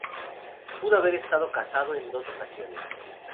Pudo haber casado en dos ocasiones.